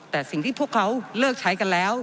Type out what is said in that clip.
แต่สิ่งที่พวกเขาเลิกใช้กันแล้ว